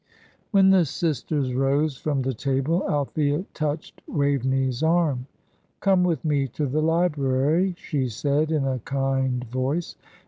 When the sisters rose from the table Althea touched Waveney's arm. "Come with me to the library," she said, in a kind voice.